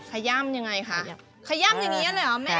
ขย่ามอย่างนี้เลยหรอแม่